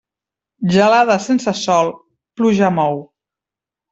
Gelada sense sol, pluja mou.